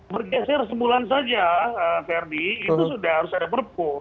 bergeser sebulan saja ferdi itu sudah harus ada perpu